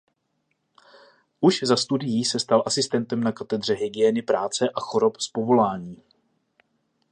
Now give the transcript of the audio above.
Už za studií se stal asistentem na katedře hygieny práce a chorob z povolání.